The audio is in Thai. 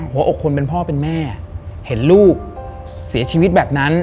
หัวอกคนเป็นพ่อเป็นแม่เห็นลูกเสียชีวิตแบบนั้น